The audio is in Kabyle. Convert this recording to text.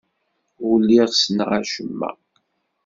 Ur lliɣ ssneɣ acemma.